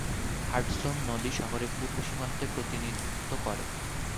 Hudson নদী শহরের পূর্ব সীমান্তের প্রতিনিধিত্ব করে।